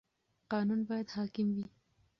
قانون باید حاکم وي.